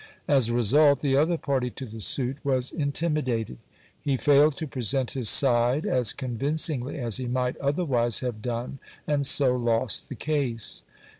As a result, the other party to the suit was intimidated. He failed to present his side as convincingly as he might otherwise have done, and so lost the case.